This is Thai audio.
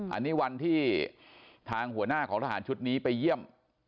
อันนี้วันที่ทางหัวหน้าของทหารชุดนี้ไปเยี่ยม